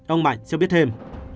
ông mạnh cho biết thêm